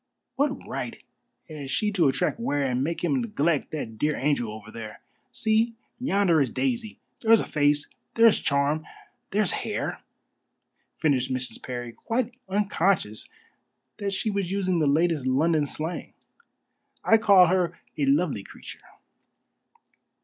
What right has she to attract Ware and make him neglect that dear angel over there? See, yonder is Daisy. There's a face, there's charm, there's hair!" finished Mrs. Parry, quite unconscious that she was using the latest London slang. "I call her a lovely creature."